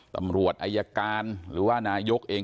ตำรวจอายการหรือว่านายกเอง